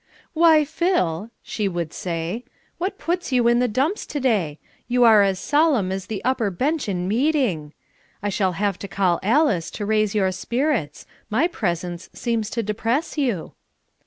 "Why, Phil," she would say, "what puts you in the dumps to day? You are as solemn as the upper bench in Meeting. I shall have to call Alice to raise your spirits; my presence seems to depress you."